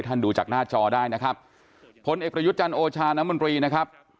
ดูจากหน้าจอได้นะครับผลเอกประยุทธ์จันทร์โอชาน้ำมนตรีนะครับ